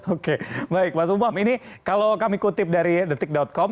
oke baik mas umam ini kalau kami kutip dari detik com